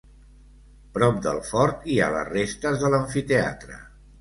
Prop del fort hi ha les restes de l'amfiteatre.